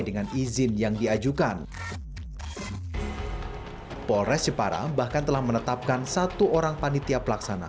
dengan izin yang diajukan polres jepara bahkan telah menetapkan satu orang panitia pelaksana